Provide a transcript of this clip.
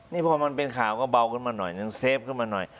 นี่พอมันเป็นข่าวก็เบาขึ้นมาหน่อยนึงเซฟขึ้นมาหน่อย